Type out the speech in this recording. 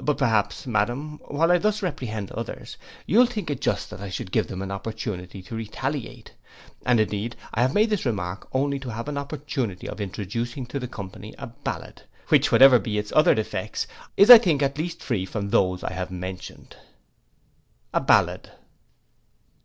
But perhaps, madam, while I thus reprehend others, you'll think it just that I should give them an opportunity to retaliate, and indeed I have made this remark only to have an opportunity of introducing to the company a ballad, which, whatever be its other defects, is I think at least free from those I have mentioned.' A BALLAD.